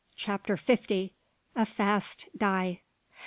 CHAPTER FIFTY. A FAST DYE.